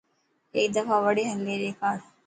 هيڪ دفا وڙي هلي ڏيکار.